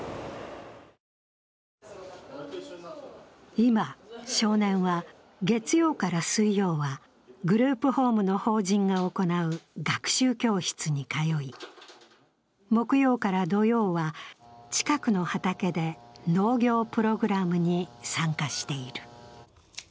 今、少年は月曜から水曜はグループホームの法人が行う学習教室に通い、木曜から土曜は近くの畑で農業プログラムに参加している。